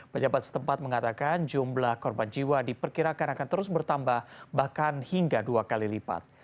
pejabat setempat mengatakan jumlah korban jiwa diperkirakan akan terus bertambah bahkan hingga dua kali lipat